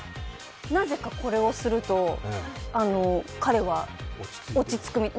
なぜか、これをすると彼は落ち着くみたい。